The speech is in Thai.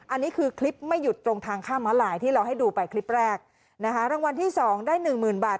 อันนี้คือคลิปไม่หยุดตรงทางข้ามม้าลายที่เราให้ดูไปคลิปแรกนะคะรางวัลที่สองได้หนึ่งหมื่นบาท